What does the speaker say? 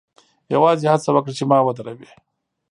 یوازې هڅه وکړه چې ما ودروې